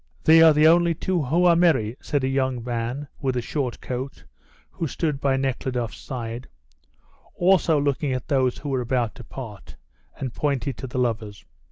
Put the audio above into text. "These are the only two who are merry," said a young man with a short coat who stood by Nekhludoff's side, also looking at those who were about to part, and pointed to the lovers.